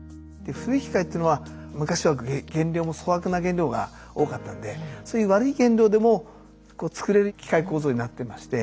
古い機械ってのは昔は原料も粗悪な原料が多かったんでそういう悪い原料でも作れる機械構造になってまして。